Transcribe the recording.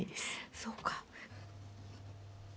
そうか。